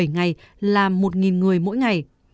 bảy ngày là một người mỗi ngày